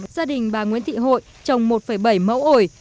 gia đình bà nguyễn thị hội trồng một bảy mẫu ổi